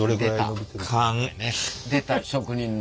出た職人の。